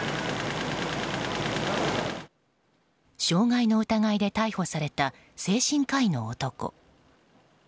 傷害の疑いで逮捕された精神科医の男。